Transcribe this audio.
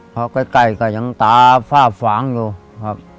เขาใกล้อย่างตาฝ้าฝางอยู่ครับ